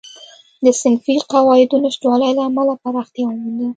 د صنفي قواعدو نشتوالي له امله پراختیا ومونده.